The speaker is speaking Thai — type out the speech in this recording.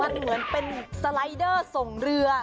มันเหมือนเป็นสไลเดอร์ส่งเรือ